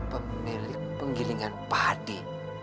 pemilik penggilingan padi